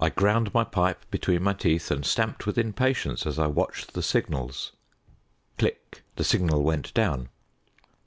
I ground my pipe between my teeth and stamped with impatience as I watched the signals. Click. The signal went down.